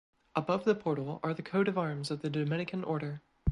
Above the portal are the coat of arms of the Dominican order.